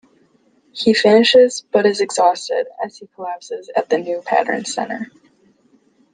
He finishes, but is exhausted, and he collapses at the new Pattern's center.